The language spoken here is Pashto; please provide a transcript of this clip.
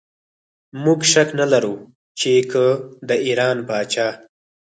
موږ شک نه لرو چې که د ایران پاچا.